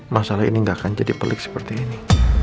masalah ini gak akan jadi pelik seperti ini